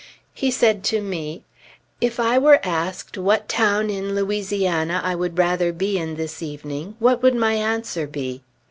He said to me, "If I were asked what town in Louisiana I would rather be in this evening, what would my answer be?"